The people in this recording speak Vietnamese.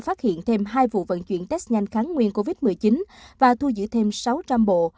phát hiện thêm hai vụ vận chuyển test nhanh kháng nguyên covid một mươi chín và thu giữ thêm sáu trăm linh bộ